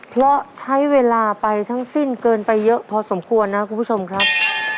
เพราะใช้เวลาไปทั้งสิ้นเกินไปเยอะพอสมควรนะคุณผู้ชมครับ